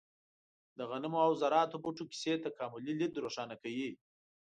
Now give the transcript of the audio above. د غنمو او ذراتو بوټو کیسې تکاملي لید روښانه کوي.